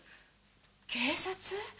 警察！？